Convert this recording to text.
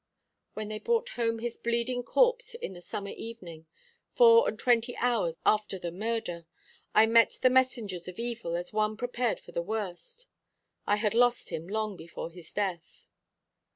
When they brought home his bleeding corpse in the summer evening, four and twenty hours after the murder, I met the messengers of evil as one prepared for the worst. I had lost him long before his death."